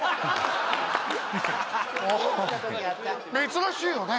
珍しいよね